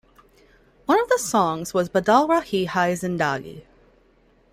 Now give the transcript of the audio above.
One of the songs was "Badal Rahi Hai Zindagi".